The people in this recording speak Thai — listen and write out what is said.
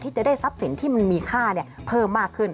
จะได้ทรัพย์สินที่มันมีค่าเพิ่มมากขึ้น